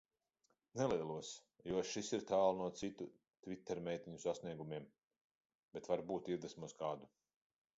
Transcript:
Nelielos, jo šis ir tālu no citu tvitermeiteņu sasniegumiem, bet varbūt iedvesmos kādu.